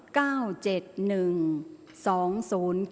ออกรางวัลที่๖